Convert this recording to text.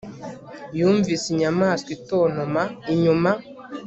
Yumvise inyamaswa itontoma inyuma